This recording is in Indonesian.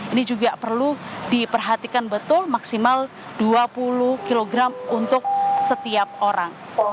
ini juga perlu diperhatikan betul maksimal dua puluh kg untuk setiap orang